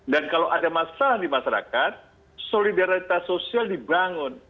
dan kalau ada masalah di masyarakat solidaritas sosial dibangun